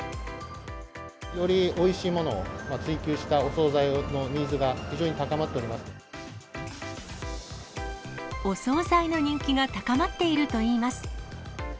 よりおいしいものを追求したお総菜のニーズが非常に高まってお総菜の人気が高まっているといいます。